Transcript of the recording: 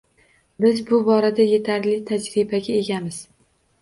Biz bu borada yetarli tajribaga egamiz.